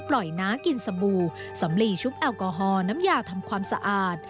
น้ากินสบู่สำลีชุบแอลกอฮอลน้ำยาทำความสะอาด